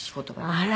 あら。